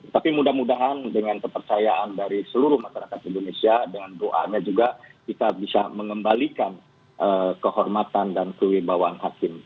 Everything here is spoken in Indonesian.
tapi mudah mudahan dengan kepercayaan dari seluruh masyarakat indonesia dengan doanya juga kita bisa mengembalikan kehormatan dan kewibawaan hakim